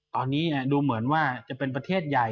ตอนนี้ดูเหมือนว่าจะเป็นประเทศใหญ่